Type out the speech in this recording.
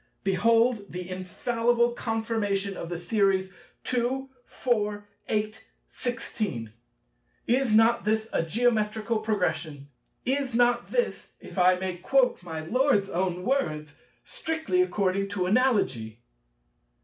Behold the infallible confirmation of the Series, 2, 4, 8, 16: is not this a Geometrical Progression? Is not this—if I might quote my Lord's own words—"strictly according to Analogy"?